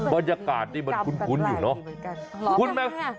บรรยากาศนี่มันคุ้นอยู่เนาะ